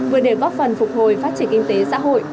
vừa để góp phần phục hồi phát triển kinh tế xã hội